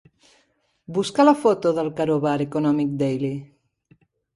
Busca la foto del Karobar Economic Daily.